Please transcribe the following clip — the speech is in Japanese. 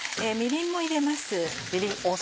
みりんも入れます。